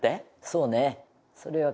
そうね。